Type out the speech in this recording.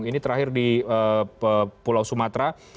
ini terakhir di pulau sumatera